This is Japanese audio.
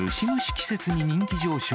季節に人気上昇。